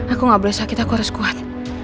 aku gak boleh sakit aku harus kuat